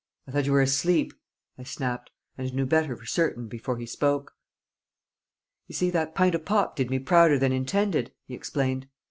"I thought you were asleep?" I snapped, and knew better for certain before he spoke. "You see, that pint o' pop did me prouder than intended," he explained.